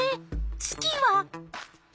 月は？